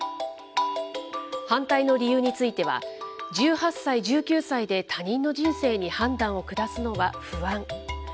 反対の理由については、１８歳、１９歳で他人の人生に判断を下すのは不安。